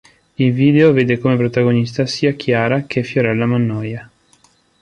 Il video vede come protagoniste sia Chiara che Fiorella Mannoia.